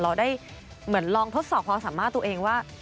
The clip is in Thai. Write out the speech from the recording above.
เราได้เหมือนลองทดสอบความสามารถตัวเองว่า